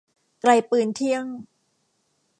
ไกลปืนเที่ยง